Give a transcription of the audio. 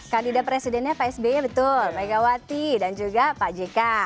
kandidat presidennya pak sby betul megawati dan juga pak jk